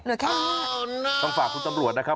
เหลือแค่นี้โอ้โฮน่าต้องฝากคุณตำรวจนะครับ